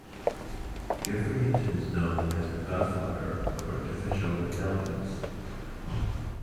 Geoffrey Hinton is known as the godfather of artificial intelligence.